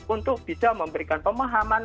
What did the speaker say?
untuk bisa memberikan pemahaman